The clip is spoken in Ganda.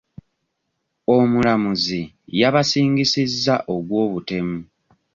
Omulamuzi yabasingizizza gw'obutemu.